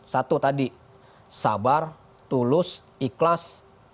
satu tadi sabar tulus ikhlas